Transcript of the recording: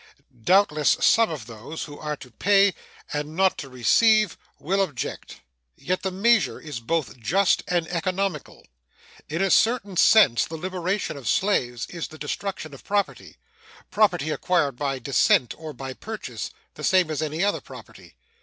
Doubtless some of those who are to pay and not to receive will object. Yet the measure is both just and economical. In a certain sense the liberation of slaves is the destruction of property property acquired by descent or by purchase, the same as any other property.